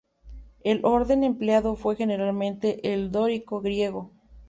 El orden empleado fue generalmente el dórico griego.